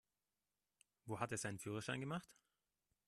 Wo hat der seinen Führerschein gemacht?